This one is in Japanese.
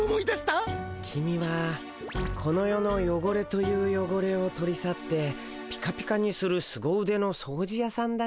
キミはこの世のよごれというよごれを取り去ってピカピカにするすご腕の掃除やさんだね。